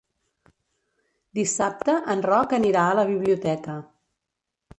Dissabte en Roc anirà a la biblioteca.